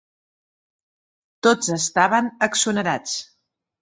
Tots estaven exonerats.